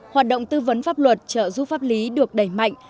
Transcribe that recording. hoạt động tư vấn pháp luật trợ giúp pháp lý được đẩy mạnh